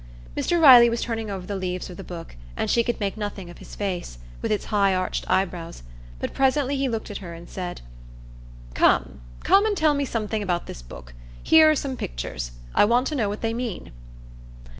Mr Riley was turning over the leaves of the book, and she could make nothing of his face, with its high arched eyebrows; but he presently looked at her, and said,— "Come, come and tell me something about this book; here are some pictures,—I want to know what they mean."